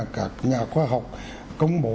các nhà khoa học công bố